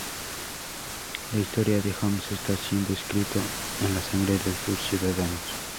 La historia de Homs está siendo escrito en la sangre de sus ciudadanos".